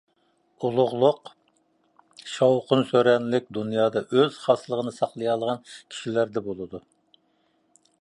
ئۇلۇغلۇق، شاۋقۇن-سۈرەنلىك دۇنيادا ئۆز خاسلىقىنى ساقلىيالىغان كىشىلەردە بولىدۇ.